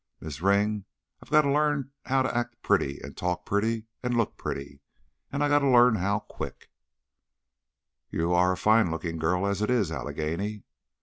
Miz' Ring, I gotta learn how to act pretty and talk pretty and look pretty. And I gotta learn how, quick." "You are a fine looking girl as it is, Allegheny."